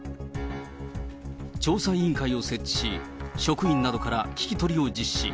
調査委員会を設置し、職員などから聞き取りを実施。